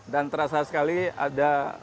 dan terasa sekali ada